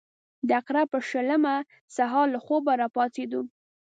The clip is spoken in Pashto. د عقرب پر شلمه سهار له خوبه راپاڅېدو.